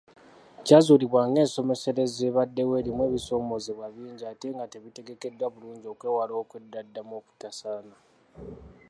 Kyazuulibwa ng'ensomeserezo ebaddewo erimu ebisomesebwa bingi ate nga tebitegekeddwa bulungi okwewala okweddaddamu okutasaana.